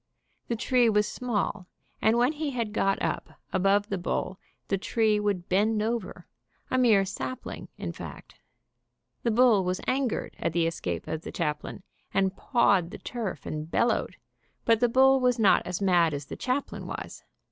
The tree was small, and when he had got up above the bull the tree would 147 bend over, a mere sapling, in fact. The bull was angered at the escape of the chaplain, and pawed the turf and bellowed, but the bull was not as mad as the chaplain was.